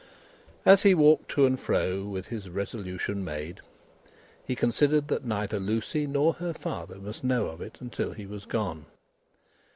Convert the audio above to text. As he walked to and fro with his resolution made, he considered that neither Lucie nor her father must know of it until he was gone.